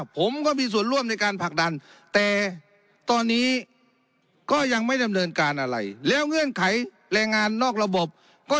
ผมก็มีส่วนร่วมในการผลักดันแต่ตอนนี้ก็ยังไม่ดำเนินการอะไร